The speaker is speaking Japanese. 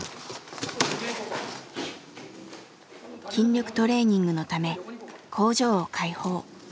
筋力トレーニングのため工場を開放。